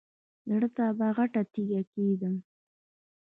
زړه ته به غټه تیګه کېږدم.